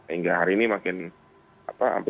hingga hari ini makin apa